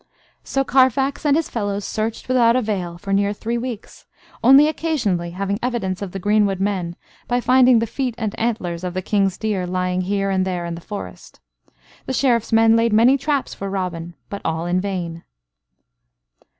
So Carfax and his fellows searched without avail for near three weeks, only occasionally having evidence of the greenwood men by finding the feet and antlers of the King's deer lying here and there in the forest. The Sheriff's men laid many traps for Robin, but all in vain.